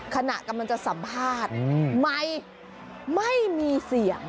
ขณะกำลังจะสัมภาษณ์ไมค์ไม่มีเสียง